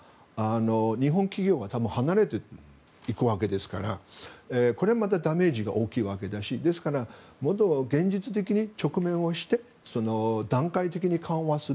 日本企業が多分離れていくわけですからこれだけダメージが大きいわけだしですからもっと現実的に直面して段階的に緩和する。